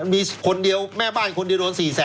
มีคนเดียวแม่บ้านคนเดียวโดน๔๐๐๐